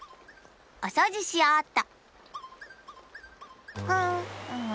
おそうじしようっと！